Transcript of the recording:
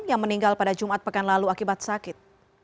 yang meninggal pada jumat pekan lalu akibat sakit